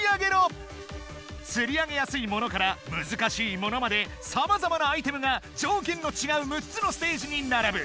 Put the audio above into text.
つり上げやすいものからむずかしいものまでさまざまなアイテムがじょうけんのちがう６つのステージにならぶ。